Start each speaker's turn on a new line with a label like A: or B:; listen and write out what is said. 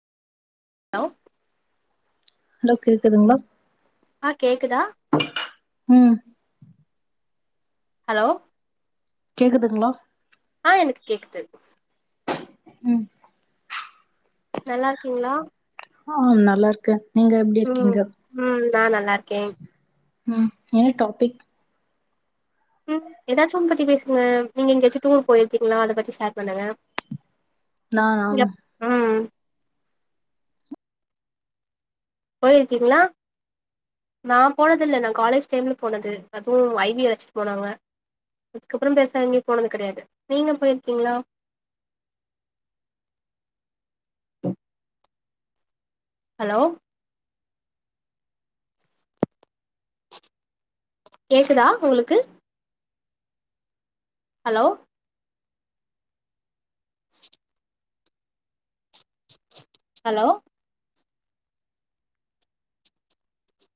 A: hello
B: hello கேக்குதுங்களா
A: ஆ கேக்குதா
B: ம்
A: ஹலோ
B: கேக்குதுங்களா
A: ஆ எனக்கு கேக்குது
B: ம்
A: நல்லா இருக்கீங்களா
B: ஆ நல்லா இருக்கேன் நீங்க எப்டி
A: ம்
B: இருக்கீங்க
A: ம் நான் நல்லா இருக்கன்
B: ம் என்ன டாபிக்
A: ம் ஏதாச்சும் ஒன்னு பத்தி பேசுங்க நீங்க எங்கேயாச்சும் டூர் போயிருக்கீங்களா அத பத்தி ஷர் பண்ணுங்க
B: நானா
A: எப் ம் போயிருக்கீங்ளா நா போனது இல்ல காலேஜ் டைம்ல போனது அதும் ஐ பி அழச்சுட்டு போனாங்க இதுக்கப்பறோம் பேருசா எங்கேயும் போனது கெடயாது நீங்க போயிருக்கீங்களா ஹலோ கேக்குதா உங்ளுக்கு ஹலோ ஹலோ